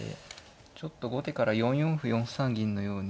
ちょっと後手から４四歩４三銀のように。